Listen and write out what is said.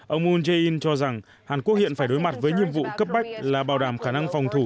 ông moon jae in cho rằng hàn quốc hiện phải đối mặt với nhiệm vụ cấp bách là bảo đảm khả năng phòng thủ